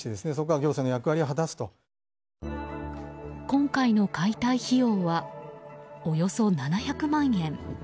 今回の解体費用はおよそ７００万円。